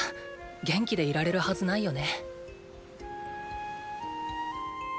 元気でいられるはずないよね。？